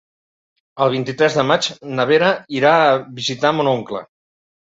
El vint-i-tres de maig na Vera irà a visitar mon oncle.